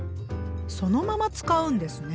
そのまま使うんですね。